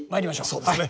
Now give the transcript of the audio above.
そうですね。